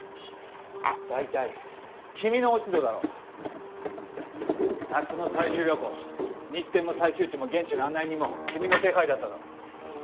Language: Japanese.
大体君の落ち度だろう！夏の採集旅行日程も採集地も現地の案内人も君の手配だったろう？